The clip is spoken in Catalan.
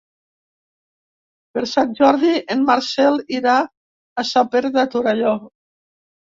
Per Sant Jordi en Marcel irà a Sant Pere de Torelló.